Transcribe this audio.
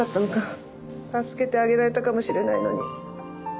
助けてあげられたかもしれないのに。